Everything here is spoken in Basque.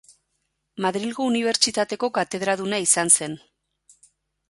Madrilgo unibertsitateko katedraduna izan zen.